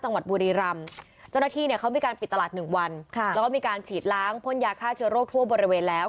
บุรีรำเจ้าหน้าที่เนี่ยเขามีการปิดตลาดหนึ่งวันค่ะแล้วก็มีการฉีดล้างพ่นยาฆ่าเชื้อโรคทั่วบริเวณแล้ว